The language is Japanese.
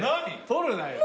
取るなよ。